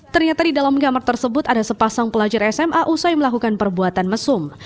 ternyata di dalam kamar tersebut ada sepasang pelajar sma usai melakukan perbuatan mesum